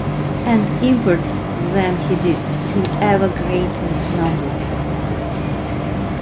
And import them he did, in ever greater numbers.